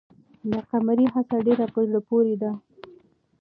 د قمرۍ هڅه ډېره په زړه پورې ده.